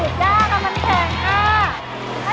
ถีกยากอ่ะมันแข็งอ่ะ